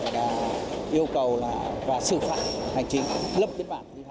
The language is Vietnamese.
và yêu cầu là và sự phạm hành trình lập biên bản